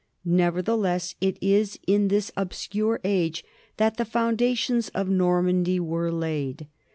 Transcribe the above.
Nevertheless it is in this obscure age that the foundations of Normandy were laid.